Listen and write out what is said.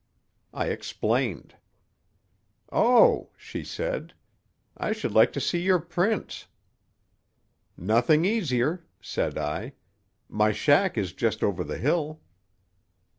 I explained. "Oh!" she said. "I should so like to see your prints!" "Nothing easier," said I. "My shack is just over the hill."